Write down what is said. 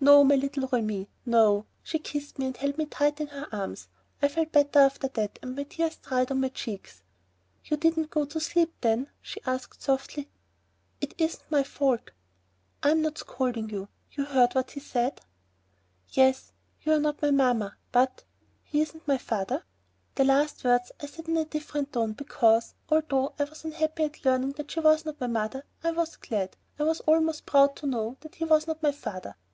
"No, my little Remi, no." She kissed me and held me tight in her arms. I felt better after that and my tears dried on my cheeks. "You didn't go to sleep, then?" she asked softly. "It wasn't my fault." "I'm not scolding you. You heard what he said, then?" "Yes, you're not my mamma, but ... he isn't my father." The last words I had said in a different tone because, although I was unhappy at learning that she was not my mother, I was glad, I was almost proud, to know that he was not my father.